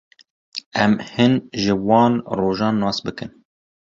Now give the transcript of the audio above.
Em hin ji wan rojan nas bikin.